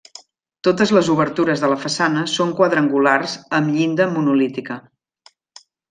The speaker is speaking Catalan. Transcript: Totes les obertures de la façana són quadrangulars amb llinda monolítica.